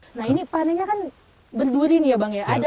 nah ini panennya kan berduri nih ya bang ya